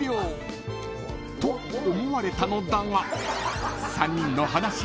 ［と思われたのだが］